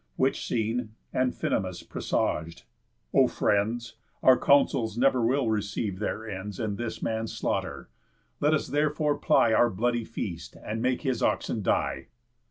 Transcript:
Which seen, Amphinomus presag'd: "O friends, Our counsels never will receive their ends In this man's slaughter. Let us therefore ply Our bloody feast, and make his oxen die."